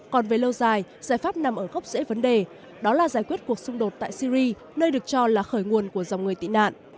còn về lâu dài giải pháp nằm ở gốc rễ vấn đề đó là giải quyết cuộc xung đột tại syri nơi được cho là khởi nguồn của dòng người tị nạn